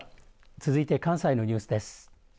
続いて関西のニュースです。